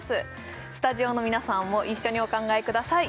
スタジオの皆さんも一緒にお考えください